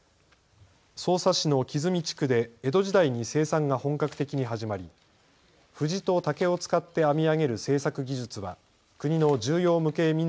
匝瑳市の木積地区で江戸時代に生産が本格的に始まり藤と竹を使って編み上げる製作技術は国の重要無形民俗